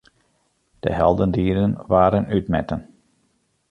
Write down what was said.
De heldendieden waarden útmetten.